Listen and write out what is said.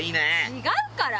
違うから。